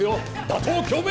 打倒京明！